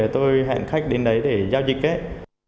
tôi hẹn khách đến đấy để giao dịch